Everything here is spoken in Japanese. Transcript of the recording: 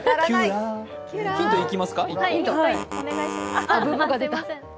ヒントいきますか。